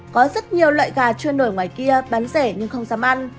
có rất nhiều loại gà trôi nổi ngoài kia bán rẻ nhưng không dám ăn